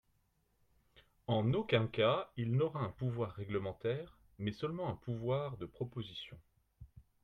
En aucun cas il n’aura un pouvoir réglementaire, mais seulement un pouvoir de proposition.